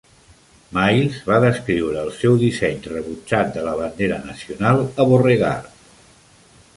Miles va descriure el seu disseny rebutjat de la bandera nacional a Beauregard.